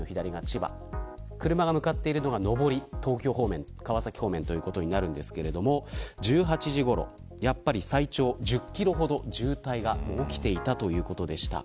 車が向かっているのは上り、東京方面川崎方面となりますが１８時ごろやっぱり最長１０キロほど渋滞が起きていたということでした。